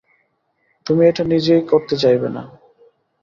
তুমি এটা নিজেই করতে চাইবে না।